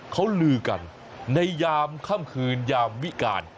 เขาลือกันในยามค่ำคืนยามวิการ